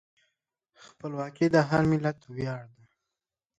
خپلواکي د هر ملت ویاړ دی.